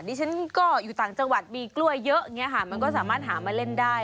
ดิฉันก็อยู่ต่างจังหวัดมีกล้วยเยอะอย่างนี้ค่ะมันก็สามารถหามาเล่นได้